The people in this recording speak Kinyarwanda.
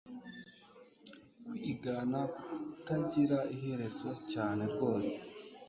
Kwigana kutagira iherezo cyane rwose